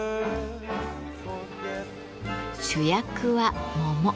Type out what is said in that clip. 主役は桃。